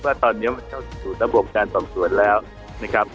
เพราะว่าตอนนี้เข้าสู่ระบบการตอบตรวจแล้วนะครับ